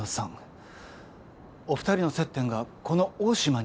お二人の接点がこの大島にありました。